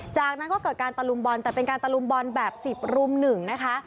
จากนั้นก็เกิดการตะลุมบอลแต่เป็นการตะลุมบอลแบบ๑๐รุม๑นะคะ